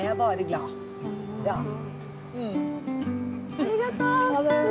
ありがとう！